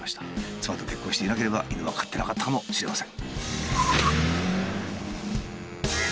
妻と結婚していなければ犬は飼ってなかったかもしれません。